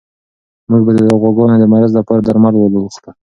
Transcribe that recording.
موږ به د غواګانو د مرض لپاره درمل واخلو.